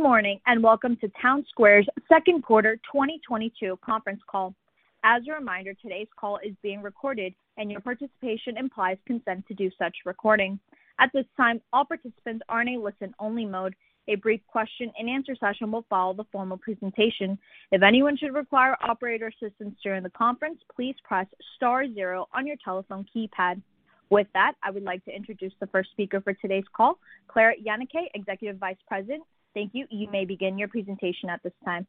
Good morning, and welcome to Townsquare's second quarter 2022 conference call. As a reminder, today's call is being recorded, and your participation implies consent to do such recording. At this time, all participants are in a listen-only mode. A brief question-and-answer session will follow the formal presentation. If anyone should require operator assistance during the conference, please press star zero on your telephone keypad. With that, I would like to introduce the first speaker for today's call, Claire Yenicay, Executive Vice President. Thank you. You may begin your presentation at this time.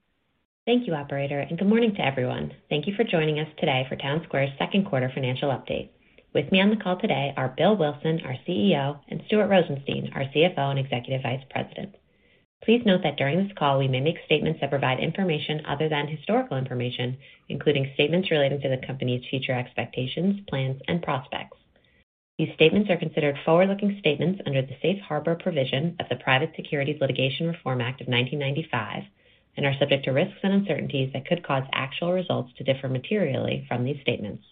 Thank you, operator, and good morning to everyone. Thank you for joining us today for Townsquare's second quarter financial update. With me on the call today are Bill Wilson, our CEO, and Stuart Rosenstein, our CFO and Executive Vice President. Please note that during this call, we may make statements that provide information other than historical information, including statements relating to the company's future expectations, plans, and prospects. These statements are considered forward-looking statements under the safe harbor provision of the Private Securities Litigation Reform Act of 1995 and are subject to risks and uncertainties that could cause actual results to differ materially from these statements.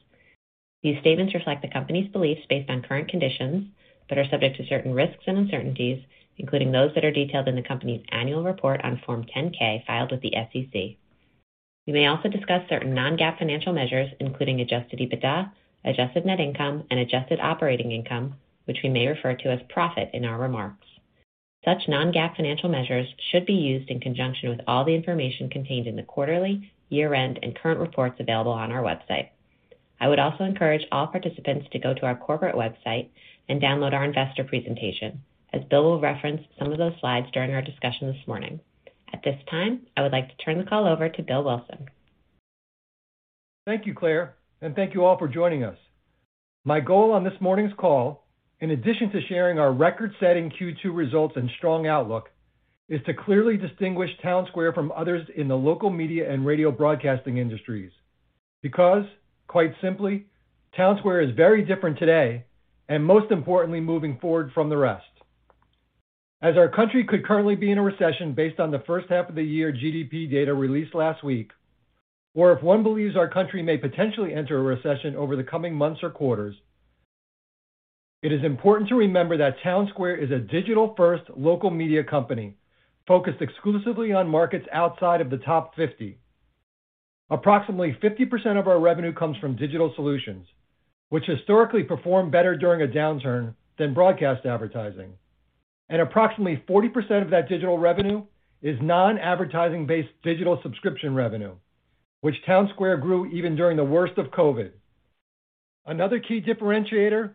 These statements reflect the company's beliefs based on current conditions but are subject to certain risks and uncertainties, including those that are detailed in the company's annual report on Form 10-K filed with the SEC. We may also discuss certain non-GAAP financial measures, including adjusted EBITDA, adjusted net income, and adjusted operating income, which we may refer to as profit in our remarks. Such non-GAAP financial measures should be used in conjunction with all the information contained in the quarterly, year-end, and current reports available on our website. I would also encourage all participants to go to our corporate website and download our investor presentation, as Bill will reference some of those slides during our discussion this morning. At this time, I would like to turn the call over to Bill Wilson. Thank you, Claire, and thank you all for joining us. My goal on this morning's call, in addition to sharing our record-setting Q2 results and strong outlook, is to clearly distinguish Townsquare from others in the local media and radio broadcasting industries. Because, quite simply, Townsquare is very different today and most importantly, moving forward from the rest. As our country could currently be in a recession based on the first half of the year GDP data released last week, or if one believes our country may potentially enter a recession over the coming months or quarters, it is important to remember that Townsquare is a digital-first local media company focused exclusively on markets outside of the top 50. Approximately 50% of our revenue comes from digital solutions, which historically perform better during a downturn than broadcast advertising. Approximately 40% of that digital revenue is non-advertising based digital subscription revenue, which Townsquare grew even during the worst of COVID. Another key differentiator,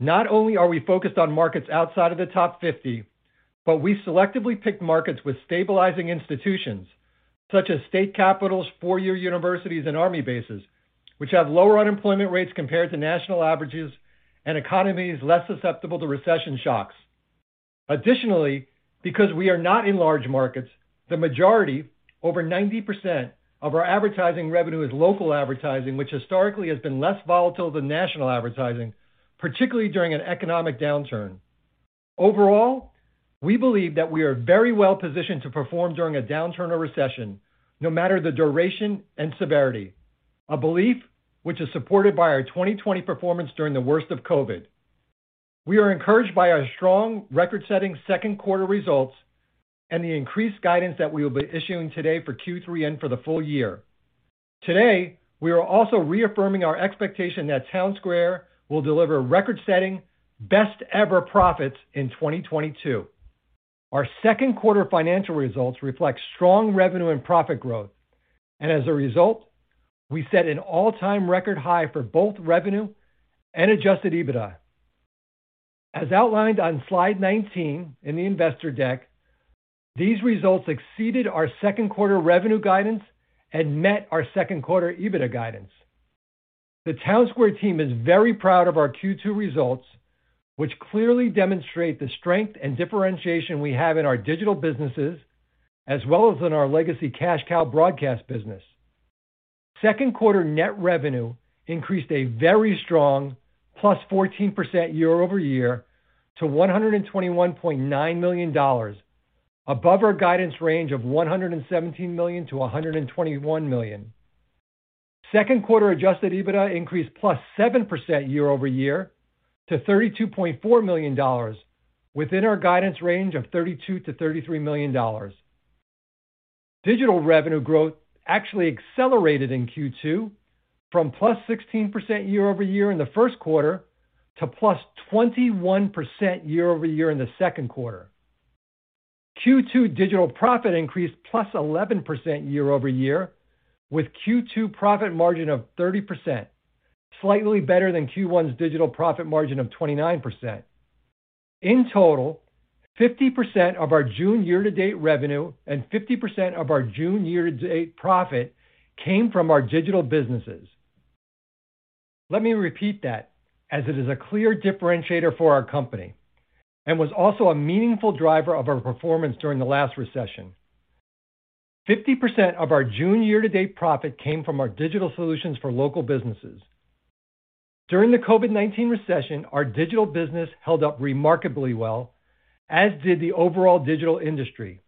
not only are we focused on markets outside of the top 50, but we selectively pick markets with stabilizing institutions such as state capitals, four-year universities, and army bases, which have lower unemployment rates compared to national averages and economies less susceptible to recession shocks. Additionally, because we are not in large markets, the majority, over 90%, of our advertising revenue is local advertising, which historically has been less volatile than national advertising, particularly during an economic downturn. Overall, we believe that we are very well positioned to perform during a downturn or recession, no matter the duration and severity, a belief which is supported by our 2020 performance during the worst of COVID. We are encouraged by our strong record-setting second quarter results and the increased guidance that we will be issuing today for Q3 and for the full year. Today, we are also reaffirming our expectation that Townsquare will deliver record-setting, best ever profits in 2022. Our second quarter financial results reflect strong revenue and profit growth. As a result, we set an all-time record high for both revenue and adjusted EBITDA. As outlined on slide 19 in the investor deck, these results exceeded our second quarter revenue guidance and met our second quarter EBITDA guidance. The Townsquare team is very proud of our Q2 results, which clearly demonstrate the strength and differentiation we have in our digital businesses as well as in our legacy cash cow broadcast business. Second quarter net revenue increased a very strong +14% year-over-year to $121.9 million, above our guidance range of $117 million-$121 million. Second quarter adjusted EBITDA increased +7% year-over-year to $32.4 million, within our guidance range of $32-$33 million. Digital revenue growth actually accelerated in Q2 from +16% year-over-year in the first quarter to +21% year-over-year in the second quarter. Q2 digital profit increased +11% year-over-year, with Q2 profit margin of 30%, slightly better than Q1's digital profit margin of 29%. In total, 50% of our June year to date revenue and 50% of our June year to date profit came from our digital businesses. Let me repeat that as it is a clear differentiator for our company and was also a meaningful driver of our performance during the last recession. 50% of our June year to date profit came from our digital solutions for local businesses. During the COVID-19 recession, our digital business held up remarkably well, as did the overall digital industry.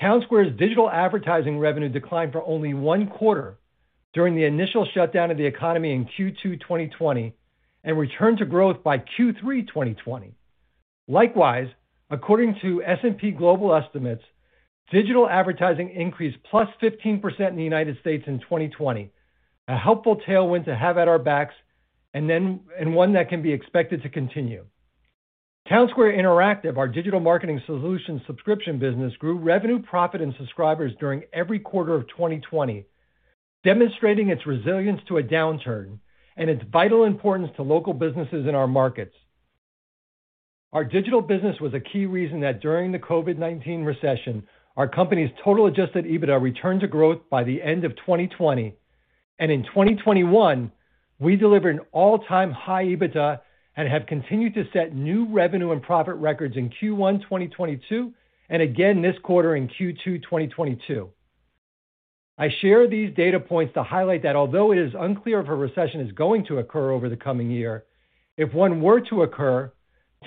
Townsquare's digital advertising revenue declined for only one quarter. During the initial shutdown of the economy in Q2, 2020 and returned to growth by Q3, 2020. Likewise, according to S&P Global estimates, digital advertising increased +15% in the United States in 2020. A helpful tailwind to have at our backs and one that can be expected to continue. Townsquare Interactive, our digital marketing solutions subscription business, grew revenue, profit, and subscribers during every quarter of 2020, demonstrating its resilience to a downturn and its vital importance to local businesses in our markets. Our digital business was a key reason that during the COVID-19 recession, our company's total adjusted EBITDA returned to growth by the end of 2020. In 2021, we delivered an all-time high EBITDA and have continued to set new revenue and profit records in Q1 2022, and again this quarter in Q2 2022. I share these data points to highlight that although it is unclear if a recession is going to occur over the coming year, if one were to occur,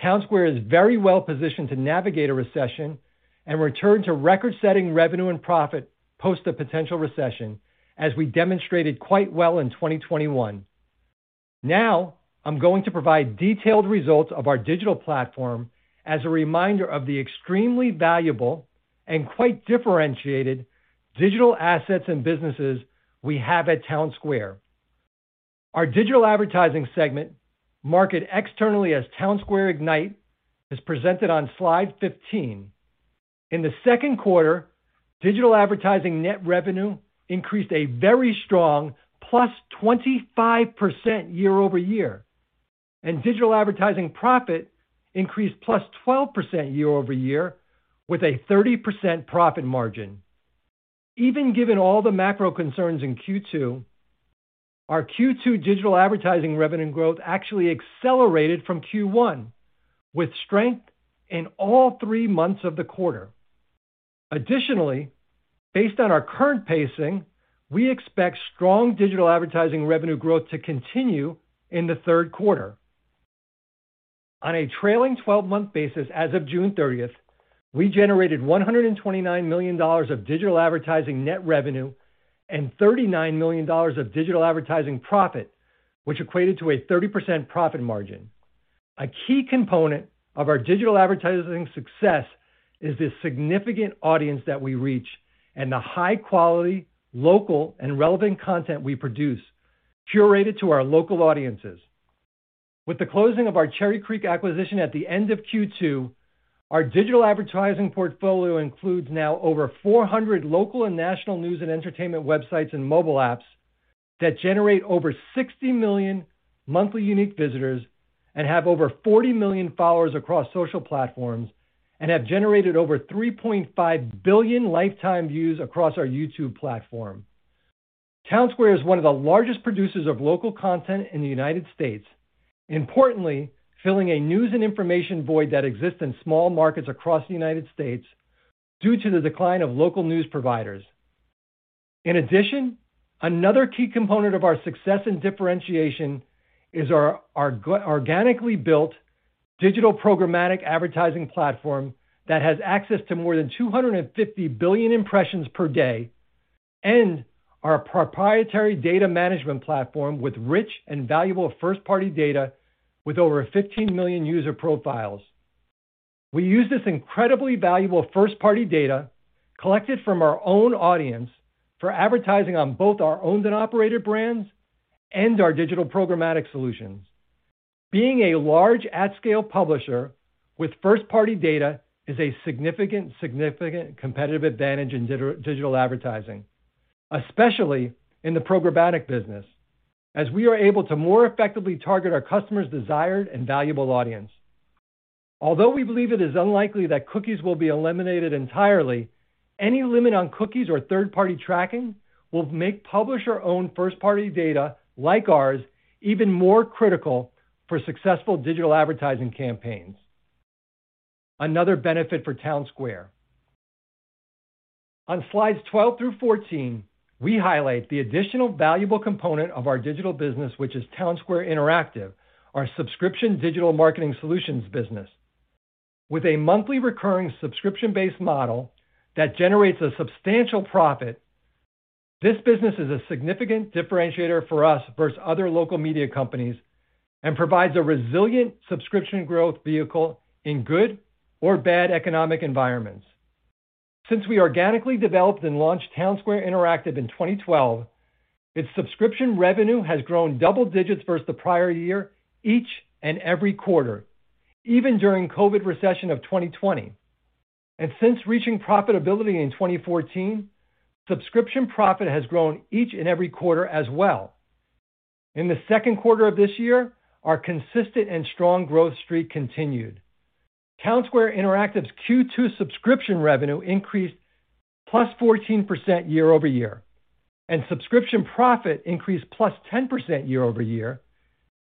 Townsquare is very well positioned to navigate a recession and return to record-setting revenue and profit post the potential recession, as we demonstrated quite well in 2021. Now, I'm going to provide detailed results of our digital platform as a reminder of the extremely valuable and quite differentiated digital assets and businesses we have at Townsquare. Our digital advertising segment, marketed externally as Townsquare Ignite, is presented on slide 15. In the second quarter, digital advertising net revenue increased a very strong +25% year-over-year, and digital advertising profit increased +12% year-over-year with a 30% profit margin. Even given all the macro concerns in Q2, our Q2 digital advertising revenue growth actually accelerated from Q1, with strength in all three months of the quarter. Additionally, based on our current pacing, we expect strong digital advertising revenue growth to continue in the third quarter. On a trailing twelve-month basis as of June thirtieth, we generated $129 million of digital advertising net revenue and $39 million of digital advertising profit, which equated to a 30% profit margin. A key component of our digital advertising success is the significant audience that we reach and the high-quality, local, and relevant content we produce curated to our local audiences. With the closing of our Cherry Creek acquisition at the end of Q2, our digital advertising portfolio includes now over 400 local and national news and entertainment websites and mobile apps that generate over 60 million monthly unique visitors and have over 40 million followers across social platforms and have generated over 3.5 billion lifetime views across our YouTube platform. Townsquare is one of the largest producers of local content in the United States, importantly, filling a news and information void that exists in small markets across the United States due to the decline of local news providers. In addition, another key component of our success and differentiation is our organically built digital programmatic advertising platform that has access to more than 250 billion impressions per day and our proprietary data management platform with rich and valuable first-party data with over 15 million user profiles. We use this incredibly valuable first-party data collected from our own audience for advertising on both our owned and operated brands and our digital programmatic solutions. Being a large ad scale publisher with first-party data is a significant competitive advantage in digital advertising, especially in the programmatic business, as we are able to more effectively target our customers' desired and valuable audience. Although we believe it is unlikely that cookies will be eliminated entirely, any limit on cookies or third-party tracking will make publisher-owned first-party data like ours even more critical for successful digital advertising campaigns. Another benefit for Townsquare. On slides 12 through 14, we highlight the additional valuable component of our digital business, which is Townsquare Interactive, our subscription digital marketing solutions business. With a monthly recurring subscription-based model that generates a substantial profit, this business is a significant differentiator for us versus other local media companies and provides a resilient subscription growth vehicle in good or bad economic environments. Since we organically developed and launched Townsquare Interactive in 2012, its subscription revenue has grown double digits versus the prior year each and every quarter, even during COVID recession of 2020. Since reaching profitability in 2014, subscription profit has grown each and every quarter as well. In the second quarter of this year, our consistent and strong growth streak continued. Townsquare Interactive's Q2 subscription revenue increased +14% year-over-year, and subscription profit increased +10% year-over-year,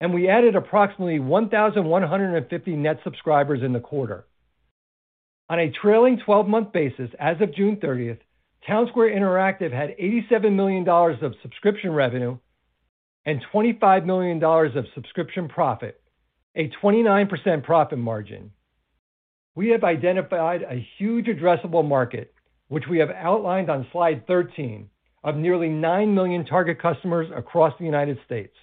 and we added approximately 1,150 net subscribers in the quarter. On a trailing twelve-month basis, as of June 30, Townsquare Interactive had $87 million of subscription revenue and $25 million of subscription profit, a 29% profit margin. We have identified a huge addressable market, which we have outlined on slide 13 of nearly 9 million target customers across the United States.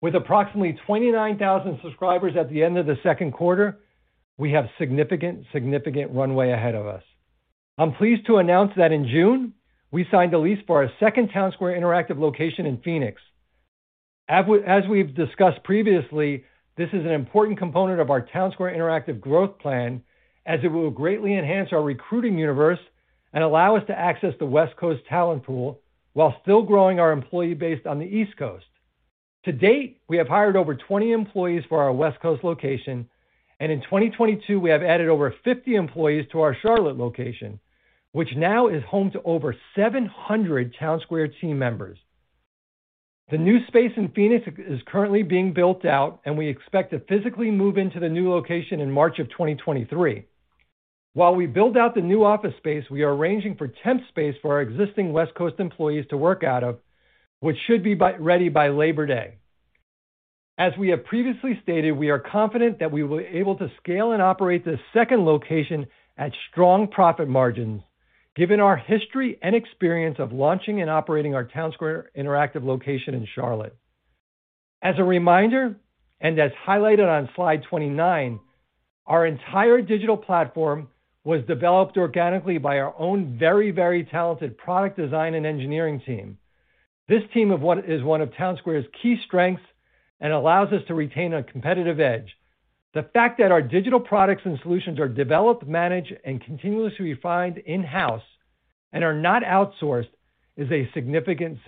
With approximately 29,000 subscribers at the end of the second quarter, we have significant runway ahead of us. I'm pleased to announce that in June, we signed a lease for our second Townsquare Interactive location in Phoenix. As we've discussed previously, this is an important component of our Townsquare Interactive growth plan as it will greatly enhance our recruiting universe and allow us to access the West Coast talent pool while still growing our employee base on the East Coast. To date, we have hired over 20 employees for our West Coast location, and in 2022, we have added over 50 employees to our Charlotte location, which now is home to over 700 Townsquare team members. The new space in Phoenix is currently being built out, and we expect to physically move into the new location in March of 2023. While we build out the new office space, we are arranging for temp space for our existing West Coast employees to work out of, which should be ready by Labor Day. As we have previously stated, we are confident that we will able to scale and operate this second location at strong profit margins, given our history and experience of launching and operating our Townsquare Interactive location in Charlotte. As a reminder, and as highlighted on slide 29, our entire digital platform was developed organically by our own very, very talented product design and engineering team. This team of one is one of Townsquare's key strengths and allows us to retain a competitive edge. The fact that our digital products and solutions are developed, managed, and continuously refined in-house and are not outsourced is a significant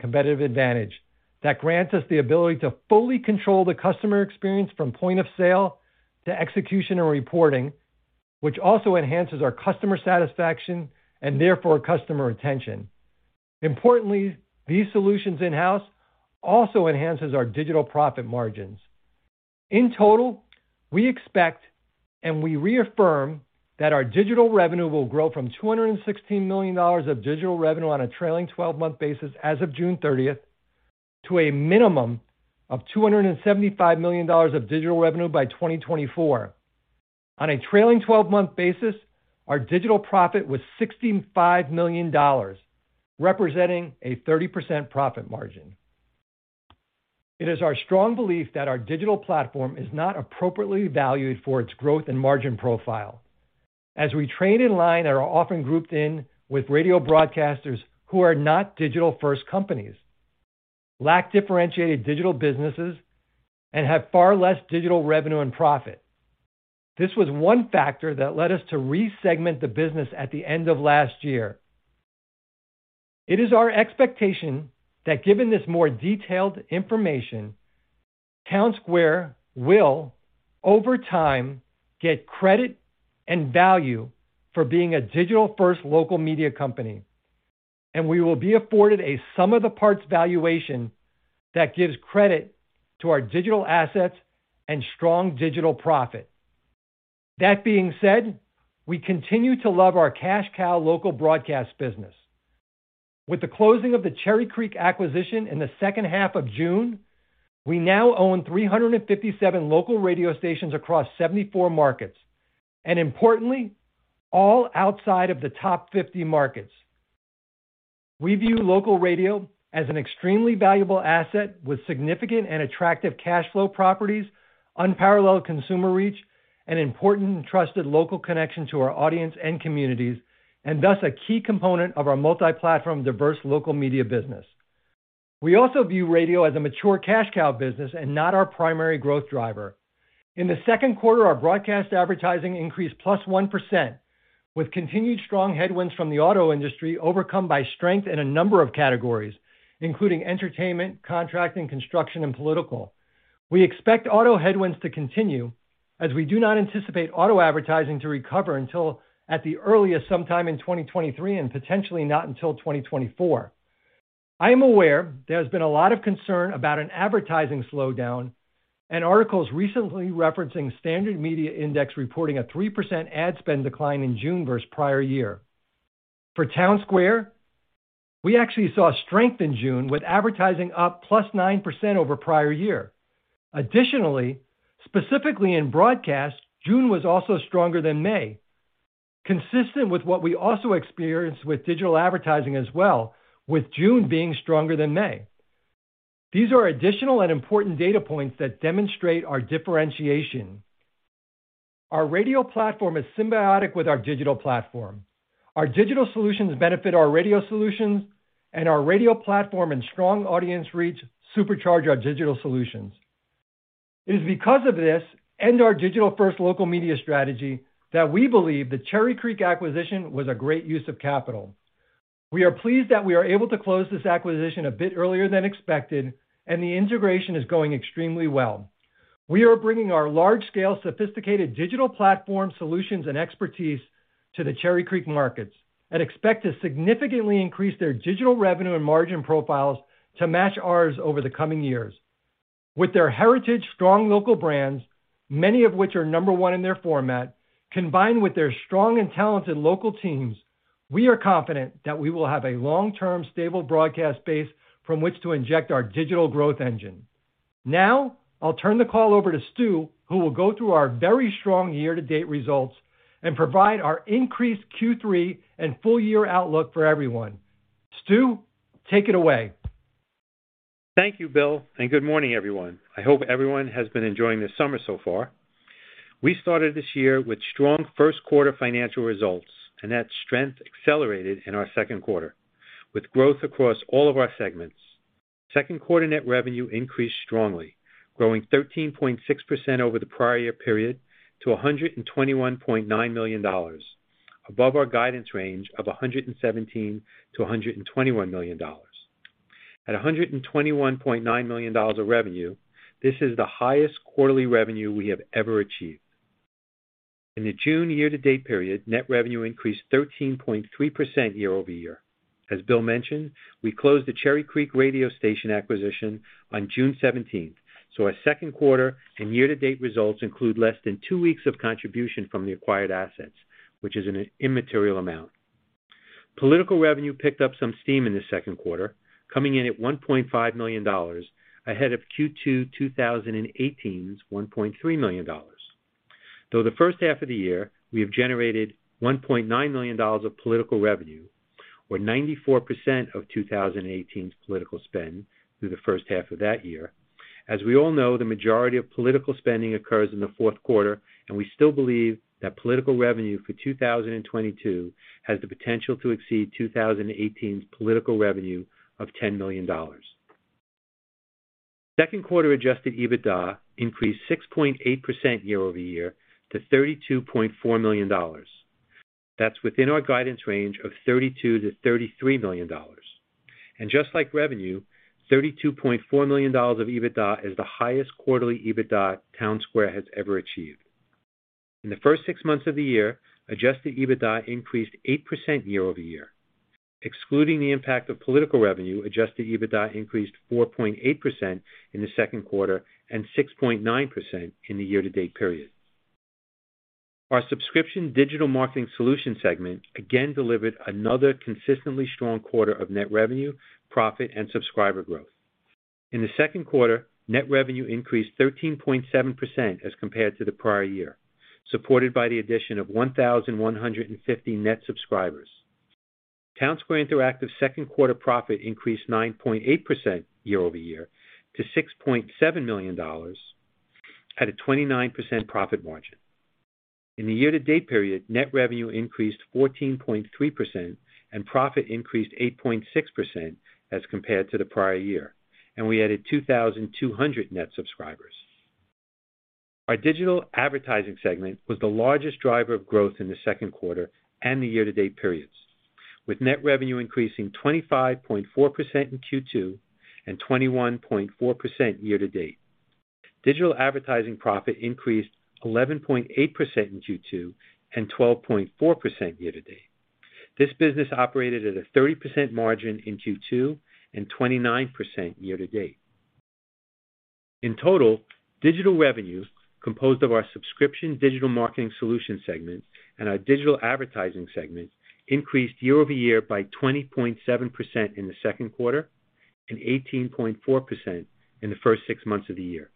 competitive advantage that grants us the ability to fully control the customer experience from point of sale to execution and reporting, which also enhances our customer satisfaction and therefore customer retention. Importantly, these solutions in-house also enhances our digital profit margins. In total, we expect, and we reaffirm that our digital revenue will grow from $216 million of digital revenue on a trailing twelve-month basis as of June thirtieth to a minimum of $275 million of digital revenue by 2024. On a trailing twelve-month basis, our digital profit was $65 million, representing a 30% profit margin. It is our strong belief that our digital platform is not appropriately valued for its growth and margin profile. As we trade in line and are often grouped in with radio broadcasters who are not digital-first companies, lack differentiated digital businesses, and have far less digital revenue and profit. This was one factor that led us to re-segment the business at the end of last year. It is our expectation that given this more detailed information, Townsquare will, over time, get credit and value for being a digital-first local media company, and we will be afforded a sum of the parts valuation that gives credit to our digital assets and strong digital profit. That being said, we continue to love our cash cow local broadcast business. With the closing of the Cherry Creek Broadcasting acquisition in the second half of June, we now own 357 local radio stations across 74 markets, and importantly, all outside of the top 50 markets. We view local radio as an extremely valuable asset with significant and attractive cash flow properties, unparalleled consumer reach, an important and trusted local connection to our audience and communities, and thus a key component of our multi-platform diverse local media business. We also view radio as a mature cash cow business and not our primary growth driver. In the second quarter, our broadcast advertising increased +1%, with continued strong headwinds from the auto industry overcome by strength in a number of categories, including entertainment, contracts and construction, and political. We expect auto headwinds to continue as we do not anticipate auto advertising to recover until, at the earliest, sometime in 2023 and potentially not until 2024. I am aware there has been a lot of concern about an advertising slowdown and articles recently referencing Standard Media Index reporting a 3% ad spend decline in June versus prior year. For Townsquare, we actually saw strength in June, with advertising up +9% over prior year. Additionally, specifically in broadcast, June was also stronger than May, consistent with what we also experienced with digital advertising as well, with June being stronger than May. These are additional and important data points that demonstrate our differentiation. Our radio platform is symbiotic with our digital platform. Our digital solutions benefit our radio solutions, and our radio platform and strong audience reach supercharge our digital solutions. It is because of this and our digital-first local media strategy that we believe the Cherry Creek acquisition was a great use of capital. We are pleased that we are able to close this acquisition a bit earlier than expected, and the integration is going extremely well. We are bringing our large-scale sophisticated digital platform solutions and expertise to the Cherry Creek markets and expect to significantly increase their digital revenue and margin profiles to match ours over the coming years. With their heritage strong local brands, many of which are number one in their format, combined with their strong and talented local teams, we are confident that we will have a long-term, stable broadcast base from which to inject our digital growth engine. Now I'll turn the call over to Stu, who will go through our very strong year-to-date results and provide our increased Q3 and full year outlook for everyone. Stu, take it away. Thank you, Bill, and good morning, everyone. I hope everyone has been enjoying this summer so far. We started this year with strong first quarter financial results, and that strength accelerated in our second quarter with growth across all of our segments. Second quarter net revenue increased strongly, growing 13.6% over the prior year period to $121.9 million, above our guidance range of $117 million-$121 million. At $121.9 million of revenue, this is the highest quarterly revenue we have ever achieved. In the June year-to-date period, net revenue increased 13.3% year-over-year. As Bill mentioned, we closed the Cherry Creek Broadcasting acquisition on June seventeenth. Our second quarter and year-to-date results include less than two weeks of contribution from the acquired assets, which is an immaterial amount. Political revenue picked up some steam in the second quarter, coming in at $1.5 million, ahead of Q2 2018's $1.3 million. Through the first half of the year, we have generated $1.9 million of political revenue, or 94% of 2018's political spend through the first half of that year. As we all know, the majority of political spending occurs in the fourth quarter, and we still believe that political revenue for 2022 has the potential to exceed 2018's political revenue of $10 million. Second quarter adjusted EBITDA increased 6.8% year-over-year to $32.4 million. That's within our guidance range of $32-$33 million. Just like revenue, $32.4 million of EBITDA is the highest quarterly EBITDA Townsquare has ever achieved. In the first six months of the year, adjusted EBITDA increased 8% year-over-year. Excluding the impact of political revenue, adjusted EBITDA increased 4.8% in the second quarter and 6.9% in the year-to-date period. Our subscription digital marketing solution segment again delivered another consistently strong quarter of net revenue, profit, and subscriber growth. In the second quarter, net revenue increased 13.7% as compared to the prior year, supported by the addition of 1,150 net subscribers. Townsquare Interactive's second quarter profit increased 9.8% year-over-year to $6.7 million at a 29% profit margin. In the year-to-date period, net revenue increased 14.3% and profit increased 8.6% as compared to the prior year, and we added 2,200 net subscribers. Our digital advertising segment was the largest driver of growth in the second quarter and the year-to-date periods, with net revenue increasing 25.4% in Q2 and 21.4% year to date. Digital advertising profit increased 11.8% in Q2 and 12.4% year to date. This business operated at a 30% margin in Q2 and 29% year to date. In total, digital revenue, composed of our subscription digital marketing solution segment and our digital advertising segment, increased year over year by 20.7% in the second quarter and 18.4% in the first six months of the year.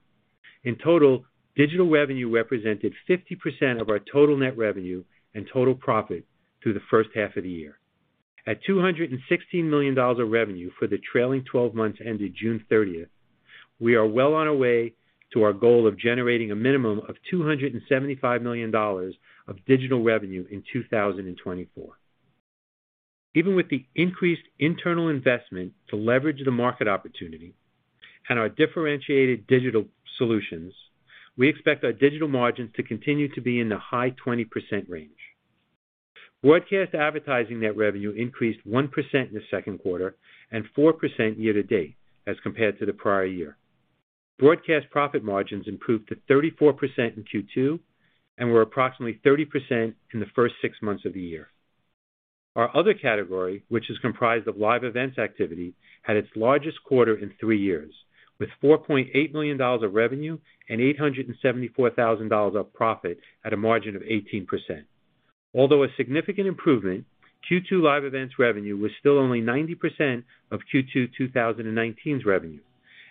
In total, digital revenue represented 50% of our total net revenue and total profit through the first half of the year. At $216 million of revenue for the trailing twelve months ended June 30th, we are well on our way to our goal of generating a minimum of $275 million of digital revenue in 2024. Even with the increased internal investment to leverage the market opportunity and our differentiated digital solutions, we expect our digital margins to continue to be in the high 20% range. Broadcast advertising net revenue increased 1% in the second quarter and 4% year to date as compared to the prior year. Broadcast profit margins improved to 34% in Q2 and were approximately 30% in the first six months of the year. Our other category, which is comprised of live events activity, had its largest quarter in three years with $4.8 million of revenue and $874,000 of profit at a margin of 18%. Although a significant improvement, Q2 live events revenue was still only 90% of Q2 2019's revenue,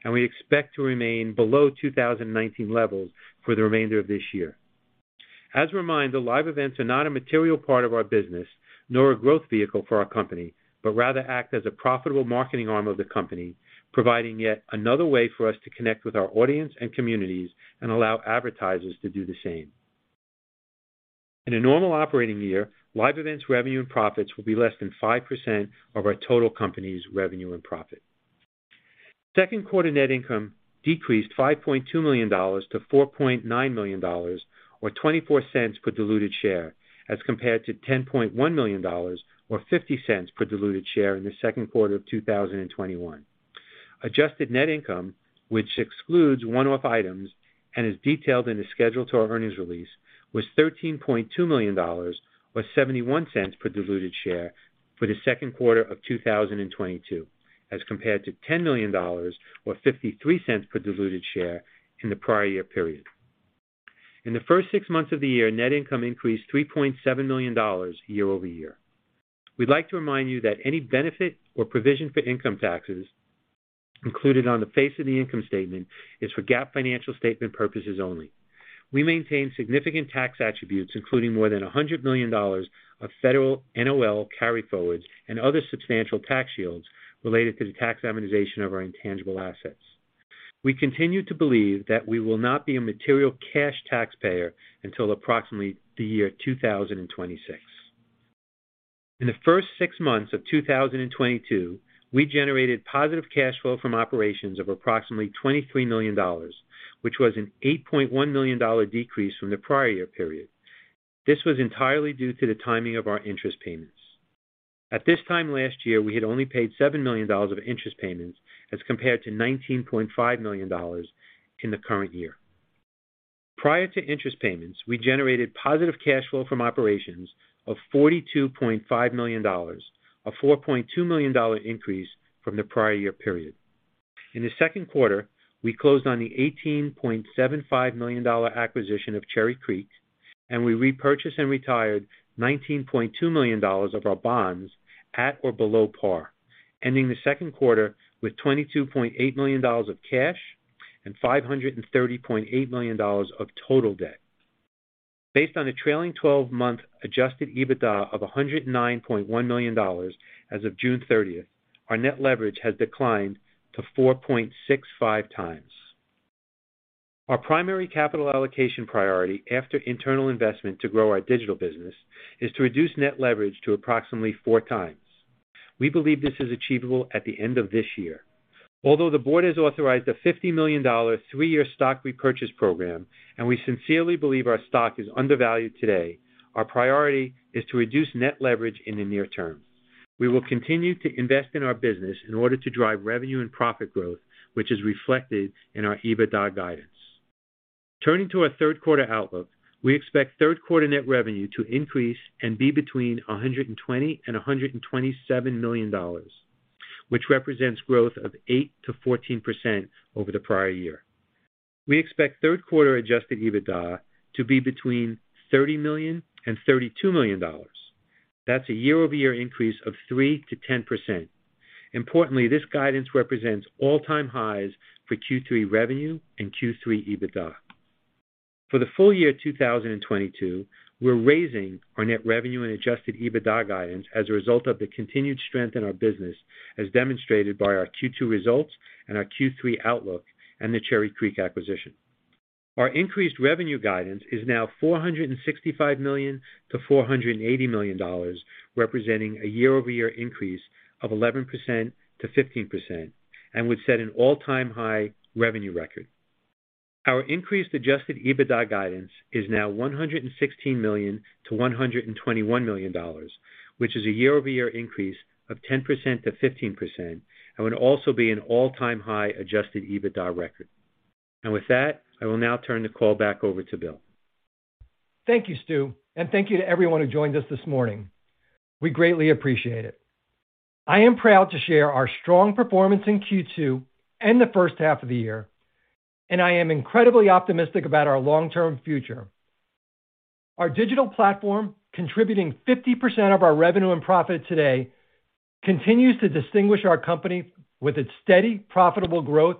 and we expect to remain below 2019 levels for the remainder of this year. As a reminder, live events are not a material part of our business nor a growth vehicle for our company, but rather act as a profitable marketing arm of the company, providing yet another way for us to connect with our audience and communities and allow advertisers to do the same. In a normal operating year, live events revenue, and profits will be less than 5% of our total company's revenue and profit. Second quarter net income decreased $5.2 million to $4.9 million, or $0.24 per diluted share, as compared to $10.1 million or $0.50 per diluted share in the second quarter of 2021. Adjusted net income, which excludes one-off items and is detailed in the schedule to our earnings release, was $13.2 million, or $0.71 per diluted share for the second quarter of 2022, as compared to $10 million or $0.53 per diluted share in the prior year period. In the first six months of the year, net income increased $3.7 million year-over-year. We'd like to remind you that any benefit or provision for income taxes included on the face of the income statement is for GAAP financial statement purposes only. We maintain significant tax attributes, including more than $100 million of federal NOL carryforwards and other substantial tax shields related to the tax amortization of our intangible assets. We continue to believe that we will not be a material cash taxpayer until approximately the year 2026. In the first six months of 2022, we generated positive cash flow from operations of approximately $23 million, which was an $8.1 million decrease from the prior year period. This was entirely due to the timing of our interest payments. At this time last year, we had only paid $7 million of interest payments as compared to $19.5 million in the current year. Prior to interest payments, we generated positive cash flow from operations of $42.5 million, a $4.2 million increase from the prior year period. In the second quarter, we closed on the $18.75 million acquisition of Cherry Creek, and we repurchased and retired $19.2 million of our bonds at or below par, ending the second quarter with $22.8 million of cash and $530.8 million of total debt. Based on the trailing-twelve-month adjusted EBITDA of $109.1 million as of June 30, our net leverage has declined to 4.65 times. Our primary capital allocation priority after internal investment to grow our digital business is to reduce net leverage to approximately 4 times. We believe this is achievable at the end of this year. Although the board has authorized a $50 million three-year stock repurchase program, and we sincerely believe our stock is undervalued today, our priority is to reduce net leverage in the near term. We will continue to invest in our business in order to drive revenue and profit growth, which is reflected in our EBITDA guidance. Turning to our third quarter outlook, we expect third quarter net revenue to increase and be between $120 million and $127 million, which represents growth of 8%-14% over the prior year. We expect third quarter adjusted EBITDA to be between $30 million and $32 million. That's a year-over-year increase of 3%-10%. Importantly, this guidance represents all-time highs for Q3 revenue and Q3 EBITDA. For the full year 2022, we're raising our net revenue and adjusted EBITDA guidance as a result of the continued strength in our business, as demonstrated by our Q2 results and our Q3 outlook and the Cherry Creek acquisition. Our increased revenue guidance is now $465 million-$480 million, representing a year-over-year increase of 11%-15% and would set an all-time high revenue record. Our increased adjusted EBITDA guidance is now $116 million-$121 million, which is a year-over-year increase of 10%-15% and would also be an all-time high adjusted EBITDA record. With that, I will now turn the call back over to Bill. Thank you, Stu, and thank you to everyone who joined us this morning. We greatly appreciate it. I am proud to share our strong performance in Q2 and the first half of the year, and I am incredibly optimistic about our long-term future. Our digital platform, contributing 50% of our revenue and profit today, continues to distinguish our company with its steady, profitable growth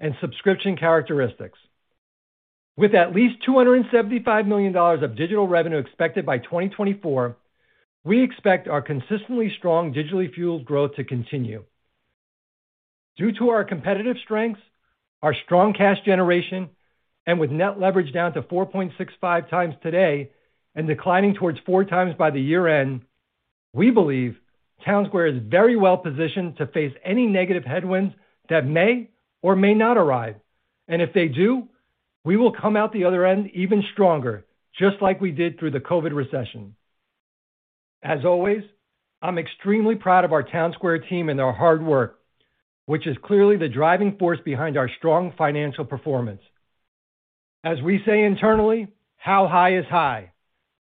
and subscription characteristics. With at least $275 million of digital revenue expected by 2024, we expect our consistently strong digitally fueled growth to continue. Due to our competitive strengths, our strong cash generation, and with net leverage down to 4.65x today and declining towards 4x by the year-end, we believe Townsquare is very well positioned to face any negative headwinds that may or may not arrive. If they do, we will come out the other end even stronger, just like we did through the COVID recession. As always, I'm extremely proud of our Townsquare team and their hard work, which is clearly the driving force behind our strong financial performance. As we say internally, how high is high?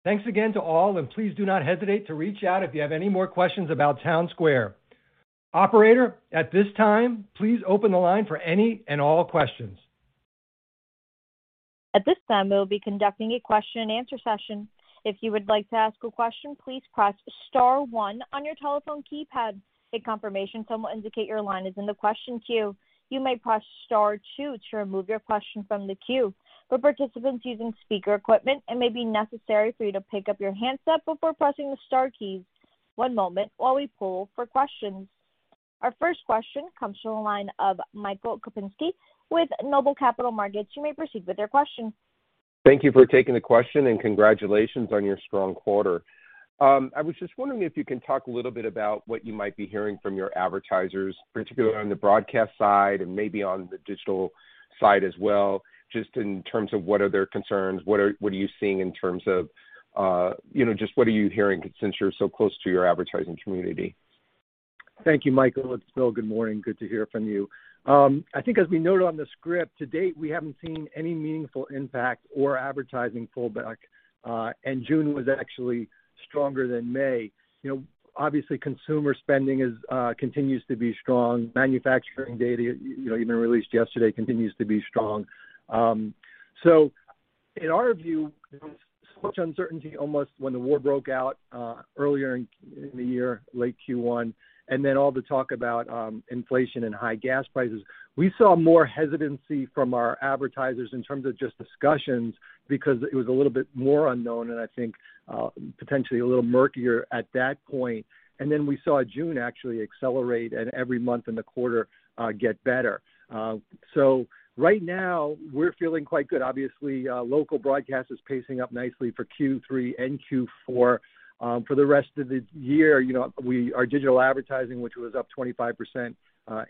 Thanks again to all, and please do not hesitate to reach out if you have any more questions about Townsquare. Operator, at this time, please open the line for any and all questions. At this time, we will be conducting a question and answer session. If you would like to ask a question, please press star one on your telephone keypad. A confirmation tone will indicate your line is in the question queue. You may press star two to remove your question from the queue. For participants using speaker equipment, it may be necessary for you to pick up your handset before pressing the star keys. One moment while we poll for questions. Our first question comes from the line of Michael Kupinski with Noble Capital Markets. You may proceed with your question. Thank you for taking the question and congratulations on your strong quarter. I was just wondering if you can talk a little bit about what you might be hearing from your advertisers, particularly on the broadcast side and maybe on the digital side as well, just in terms of what are their concerns, what are you seeing in terms of, you know, just what are you hearing since you're so close to your advertising community? Thank you, Michael. It's Bill. Good morning. Good to hear from you. I think as we noted on the script, to date, we haven't seen any meaningful impact or advertising pullback, and June was actually stronger than May. You know, obviously, consumer spending continues to be strong. Manufacturing data, you know, even released yesterday continues to be strong. In our view, there was such uncertainty almost when the war broke out, earlier in the year, late Q1, and then all the talk about inflation and high gas prices. We saw more hesitancy from our advertisers in terms of just discussions because it was a little bit more unknown and I think, potentially a little murkier at that point. We saw June actually accelerate and every month in the quarter, get better. Right now we're feeling quite good. Obviously, local broadcast is pacing up nicely for Q3 and Q4. For the rest of the year, you know, our digital advertising, which was up 25%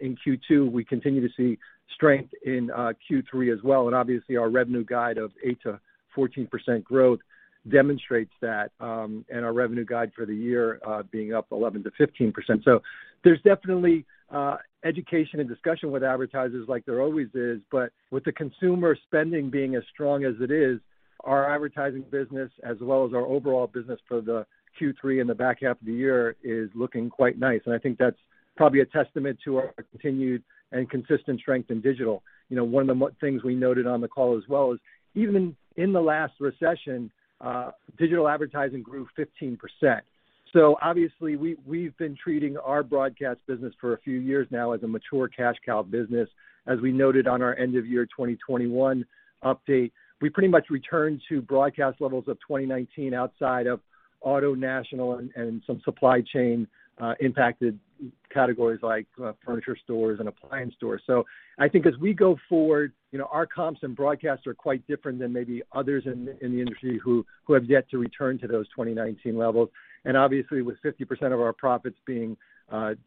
in Q2, we continue to see strength in Q3 as well. Obviously, our revenue guide of 8%-14% growth demonstrates that, and our revenue guide for the year being up 11%-15%. There's definitely education and discussion with advertisers like there always is. With the consumer spending being as strong as it is, our advertising business as well as our overall business for Q3 and the back half of the year is looking quite nice. I think that's probably a testament to our continued and consistent strength in digital. You know, one of the most things we noted on the call as well is even in the last recession, digital advertising grew 15%. Obviously we've been treating our broadcast business for a few years now as a mature cash cow business. As we noted on our end-of-year 2021 update, we pretty much returned to broadcast levels of 2019 outside of auto, national and some supply chain impacted categories like furniture stores and appliance stores. I think as we go forward, you know, our comps in broadcast are quite different than maybe others in the industry who have yet to return to those 2019 levels. Obviously, with 50% of our profits being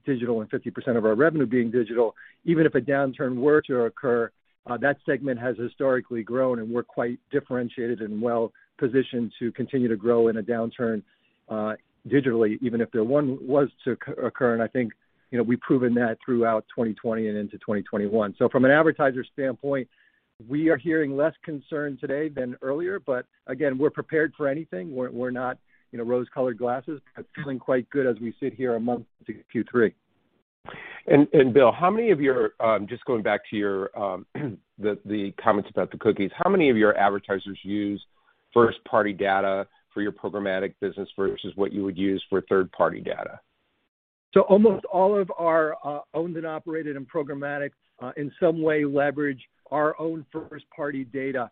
digital and 50% of our revenue being digital, even if a downturn were to occur, that segment has historically grown, and we're quite differentiated and well-positioned to continue to grow in a downturn, digitally, even if one was to occur. I think, you know, we've proven that throughout 2020 and into 2021. From an advertiser standpoint, we are hearing less concern today than earlier, but again, we're prepared for anything. We're not, you know, rose-colored glasses, but feeling quite good as we sit here a month into Q3. Bill, just going back to your comments about the cookies, how many of your advertisers use first-party data for your programmatic business versus what you would use for third-party data? Almost all of our owned and operated and programmatic in some way leverage our own first-party data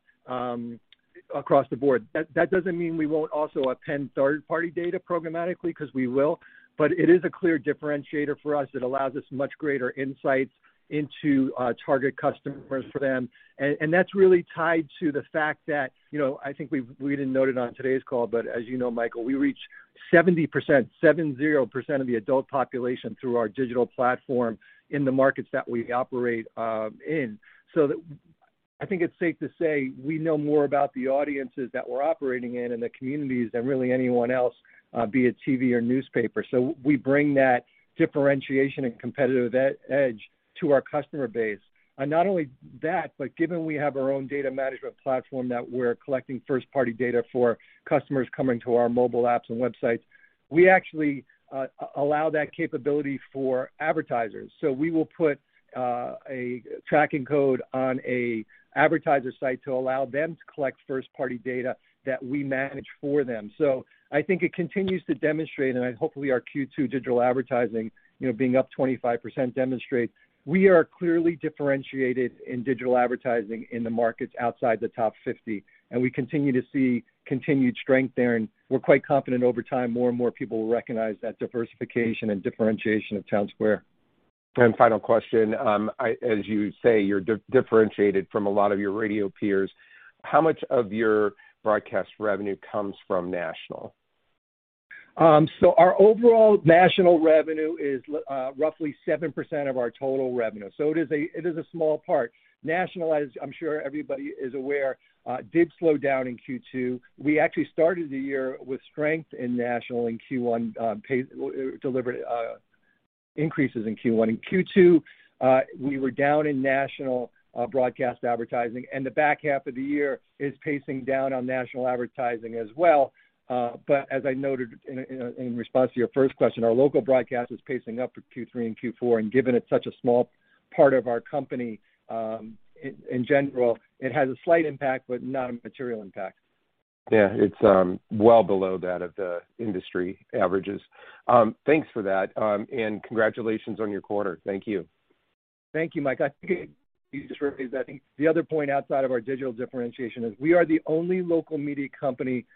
across the board. That doesn't mean we won't also append third-party data programmatically, 'cause we will. But it is a clear differentiator for us. It allows us much greater insights into target customers for them. And that's really tied to the fact that, you know, I think we didn't note it on today's call, but as you know, Michael, we reach 70% of the adult population through our digital platform in the markets that we operate in. I think it's safe to say we know more about the audiences that we're operating in and the communities than really anyone else be it TV or newspaper. We bring that differentiation and competitive edge to our customer base. Given we have our own data management platform that we're collecting first-party data for customers coming to our mobile apps and websites, we actually allow that capability for advertisers. We will put a tracking code on an advertiser's site to allow them to collect first-party data that we manage for them. I think it continues to demonstrate, and hopefully our Q2 digital advertising, you know, being up 25% demonstrates we are clearly differentiated in digital advertising in the markets outside the top 50. We continue to see continued strength there, and we're quite confident over time more and more people will recognize that diversification and differentiation of Townsquare. Final question. As you say, you're differentiated from a lot of your radio peers. How much of your broadcast revenue comes from national? Our overall national revenue is roughly 7% of our total revenue. It is a small part. National, as I'm sure everybody is aware, did slow down in Q2. We actually started the year with strength in national in Q1, delivered increases in Q1. In Q2, we were down in national broadcast advertising, and the back half of the year is pacing down on national advertising as well. As I noted in response to your first question, our local broadcast is pacing up for Q3 and Q4, and given it's such a small part of our company, in general, it has a slight impact, but not a material impact. Yeah, it's well below that of the industry averages. Thanks for that. Congratulations on your quarter. Thank you. Thank you, Mike. I think the other point outside of our digital differentiation is we are the only local media company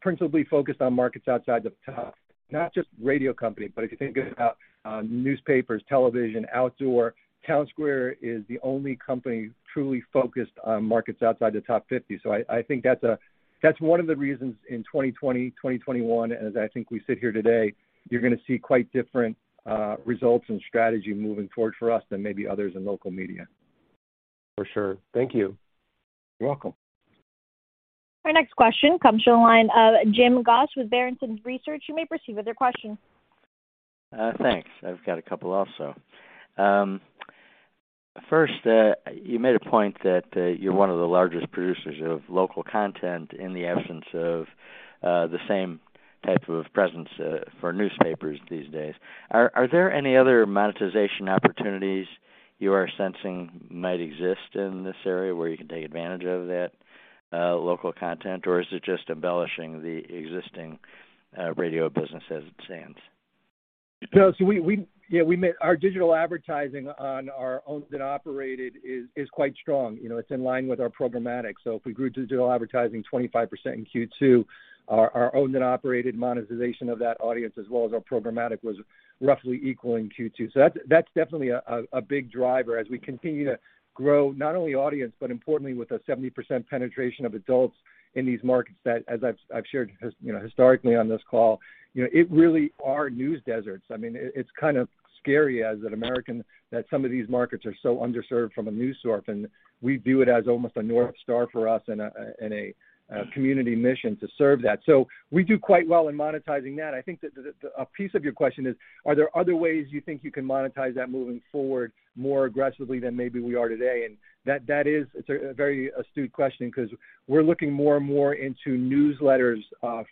principally focused on markets outside the top. Not just radio company, but if you think about newspapers, television, outdoor, Townsquare is the only company truly focused on markets outside the top 50. I think that's one of the reasons in 2020, 2021, as I think we sit here today, you're gonna see quite different results and strategy moving forward for us than maybe others in local media. For sure. Thank you. You're welcome. Our next question comes from the line of James Goss with Barrington Research. You may proceed with your question. Thanks. I've got a couple also. First, you made a point that you're one of the largest producers of local content in the absence of the same type of presence for newspapers these days. Are there any other monetization opportunities you are sensing might exist in this area where you can take advantage of that local content? Or is it just embellishing the existing radio business as it stands? No. We, yeah, our digital advertising on our owned and operated is quite strong. You know, it's in line with our programmatic. If we grew digital advertising 25% in Q2, our owned and operated monetization of that audience as well as our programmatic was roughly equal in Q2. That's definitely a big driver as we continue to grow not only audience, but importantly with a 70% penetration of adults in these markets that as I've shared this, you know, historically on this call, you know, it really are news deserts. I mean, it's kind of scary as an American that some of these markets are so underserved from a news source, and we view it as almost a North Star for us and a community mission to serve that. We do quite well in monetizing that. I think that a piece of your question is, are there other ways you think you can monetize that moving forward more aggressively than maybe we are today? That is, it's a very astute question 'cause we're looking more and more into newsletters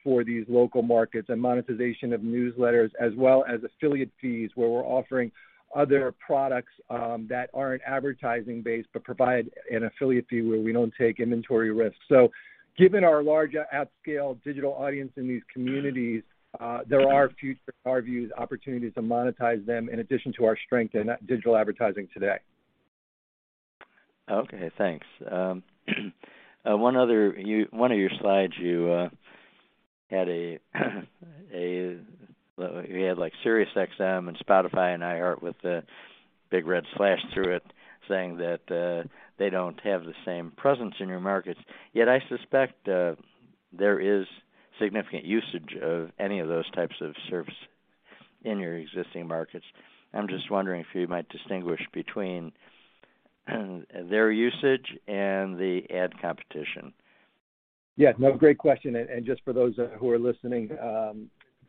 for these local markets and monetization of newsletters as well as affiliate fees where we're offering other products that aren't advertising-based, but provide an affiliate fee where we don't take inventory risks. Given our large-scale digital audience in these communities, there are future, in our views, opportunities to monetize them in addition to our strength in that digital advertising today. Okay, thanks. One of your slides, you had, well, like SiriusXM and Spotify and iHeartMedia with a big red slash through it saying that they don't have the same presence in your markets. I suspect there is significant usage of any of those types of service in your existing markets. I'm just wondering if you might distinguish between their usage and the ad competition. Yeah. No, great question and just for those who are listening,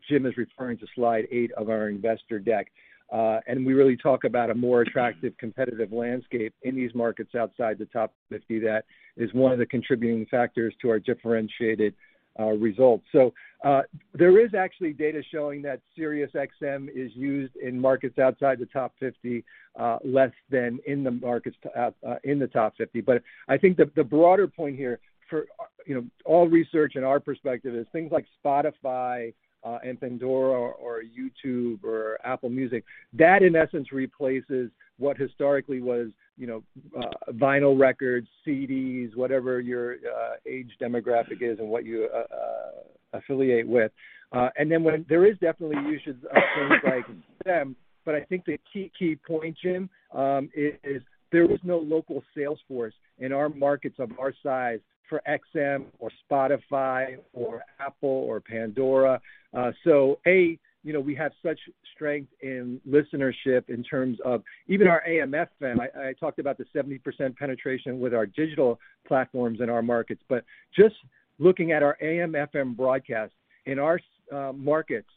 Jim is referring to slide 8 of our investor deck. We really talk about a more attractive competitive landscape in these markets outside the top 50. That is one of the contributing factors to our differentiated results. There is actually data showing that SiriusXM is used in markets outside the top 50 less than in the markets out in the top 50. I think the broader point here for, you know, all research in our perspective is things like Spotify and Pandora or YouTube or Apple Music, that in essence replaces what historically was, you know, vinyl records, CDs, whatever your age demographic is and what you affiliate with. Then when There is definitely usage of things like XM, but I think the key point, Jim, is there is no local sales force in our markets of our size for XM or Spotify or Apple or Pandora. So, you know, we have such strength in listenership in terms of even our AM/FM. I talked about the 70% penetration with our digital platforms in our markets, but just looking at our AM/FM broadcast, in our markets,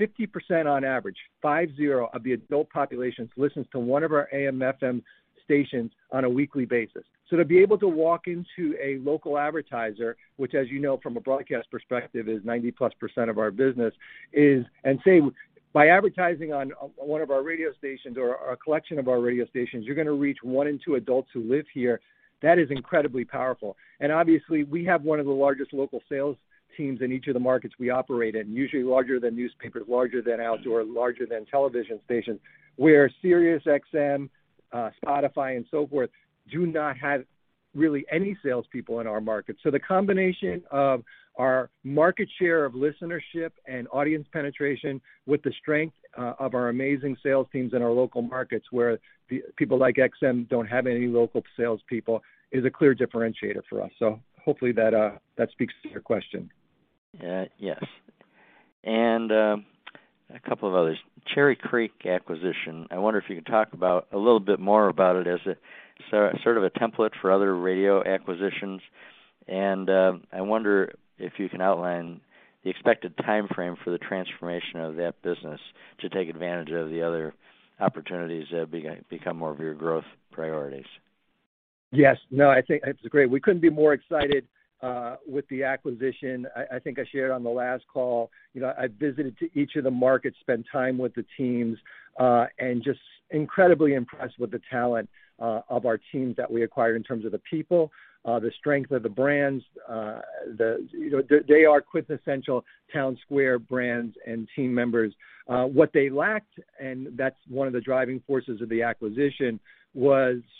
50% on average, 50 of the adult population listens to one of our AM/FM stations on a weekly basis.to be able to walk into a local advertiser, which as you know from a broadcast perspective is 90+% of our business is, and say, "By advertising on one of our radio stations or a collection of our radio stations, you're gonna reach one in two adults who live here," that is incredibly powerful. Obviously we have one of the largest local sales teams in each of the markets we operate in, usually larger than newspapers, larger than outdoor, larger than television stations, where SiriusXM, Spotify and so forth do not have really any sales people in our markets. The combination of our market share of listenership and audience penetration with the strength of our amazing sales teams in our local markets where people like XM don't have any local salespeople is a clear differentiator for us. Hopefully that speaks to your question. Yes. A couple of others. Cherry Creek acquisition, I wonder if you could talk about a little bit more about it as a sort of a template for other radio acquisitions. I wonder if you can outline the expected timeframe for the transformation of that business to take advantage of the other opportunities that become more of your growth priorities. Yes. No, I think it's great. We couldn't be more excited with the acquisition. I think I shared on the last call, you know, I visited each of the markets, spent time with the teams, and just incredibly impressed with the talent of our teams that we acquired in terms of the people, the strength of the brands, you know, they are quintessential Townsquare brands and team members. What they lacked, and that's one of the driving forces of the acquisition, was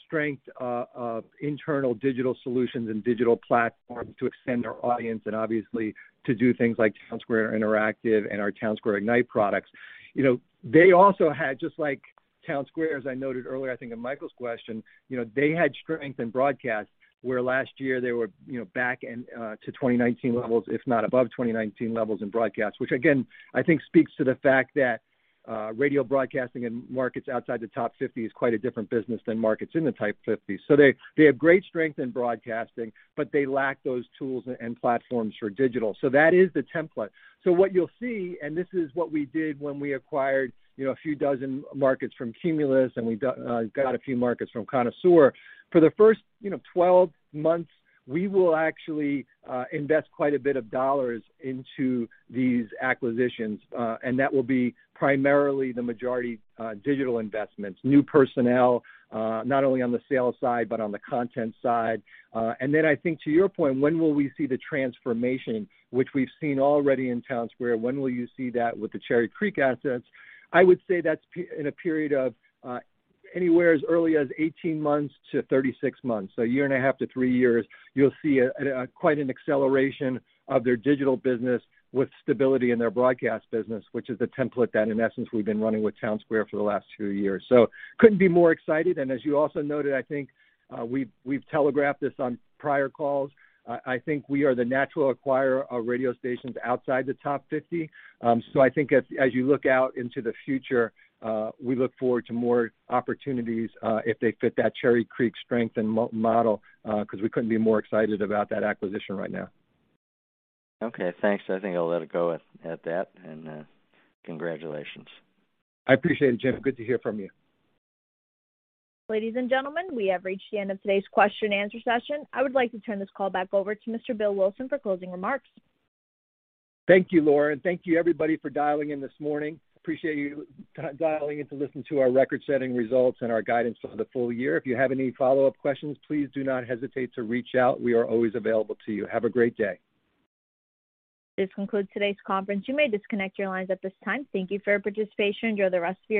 strength in internal digital solutions and digital platforms to extend our audience and obviously to do things like Townsquare Interactive and our Townsquare Ignite products. You know, they also had, just like Townsquare, as I noted earlier, I think in Michael's question, you know, they had strength in broadcast, where last year they were, you know, back into 2019 levels, if not above 2019 levels in broadcast, which again, I think speaks to the fact that radio broadcasting in markets outside the top 50 is quite a different business than markets in the top 50. They have great strength in broadcasting, but they lack those tools and platforms for digital. That is the template. What you'll see, and this is what we did when we acquired, you know, a few dozen markets from Cumulus, and we got a few markets from Connoisseur. For the first, you know, 12 months, we will actually invest quite a bit of dollars into these acquisitions, and that will be primarily the majority digital investments. New personnel, not only on the sales side, but on the content side. I think to your point, when will we see the transformation which we've seen already in Townsquare? When will you see that with the Cherry Creek assets? I would say that's in a period of anywhere as early as 18-36 months. So a year and a half to 3 years, you'll see a quite an acceleration of their digital business with stability in their broadcast business, which is the template that in essence we've been running with Townsquare for the last few years. Couldn't be more excited, and as you also noted, I think, we've telegraphed this on prior calls. I think we are the natural acquirer of radio stations outside the top 50. I think as you look out into the future, we look forward to more opportunities, if they fit that Cherry Creek strength and model, 'cause we couldn't be more excited about that acquisition right now. Okay, thanks. I think I'll let it go at that, and congratulations. I appreciate it, Jim. Good to hear from you. Ladies and gentlemen, we have reached the end of today's question and answer session. I would like to turn this call back over to Mr. Bill Wilson for closing remarks. Thank you, Laura, and thank you everybody for dialing in this morning. Appreciate you dialing in to listen to our record-setting results and our guidance for the full year. If you have any follow-up questions, please do not hesitate to reach out. We are always available to you. Have a great day. This concludes today's conference. You may disconnect your lines at this time. Thank you for your participation. Enjoy the rest of your day.